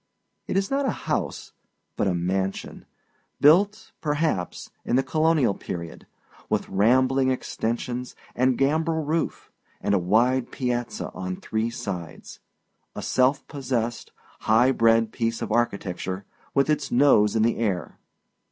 It is not a house, but a mansion, built, perhaps, in the colonial period, with rambling extensions, and gambrel roof, and a wide piazza on three sides a self possessed, high bred piece of architecture, with its nose in the air.